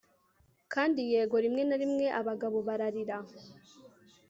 kandi yego, rimwe na rimwe abagabo bararira